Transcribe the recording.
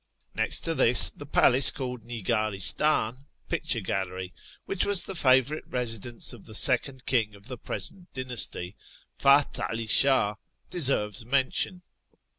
Next to this, the palace called Nigdristdn (" Picture Gallery "), which was the favourite residence of the second king of the present dynasty, Fath 'Ali Shah, deserves mention.